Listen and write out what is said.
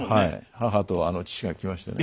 母と父が来ましてね